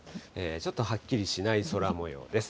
ちょっとはっきりしない空もようです。